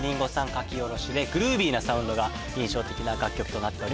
書き下ろしでグルービーなサウンドが印象的な楽曲となっております。